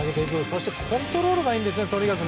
そしてコントロールがいいですよね。